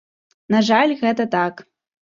На жаль, гэта так.